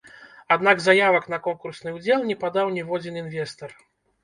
Аднак заявак на конкурсны ўдзел не падаў ніводзін інвестар.